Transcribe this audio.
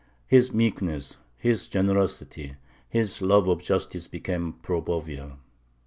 His meekness, his generosity, and his love of justice became proverbial.